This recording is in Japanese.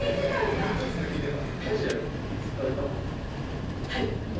Ｂｌｕｅｔｏｏｔｈで聴いてた。